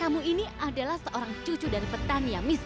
kamu ini adalah seorang cucu dari petani yang miskin